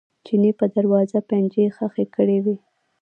چیني په دروازه پنجې ښخې کړې وې.